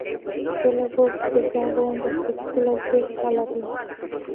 Fue la voz de Yago en las películas de "Aladdín".